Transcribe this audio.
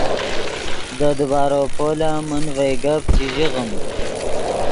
دے دیبارو پول ام من ڤئے گپ چے ژیغیم